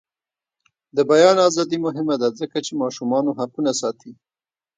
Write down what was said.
د بیان ازادي مهمه ده ځکه چې ماشومانو حقونه ساتي.